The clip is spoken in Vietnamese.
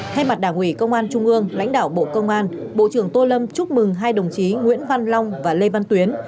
thay mặt đảng ủy công an trung ương lãnh đạo bộ công an bộ trưởng tô lâm chúc mừng hai đồng chí nguyễn văn long và lê văn tuyến